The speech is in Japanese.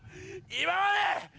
今まで！